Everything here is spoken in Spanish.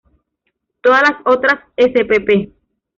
Todas las otras spp.